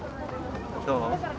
どう？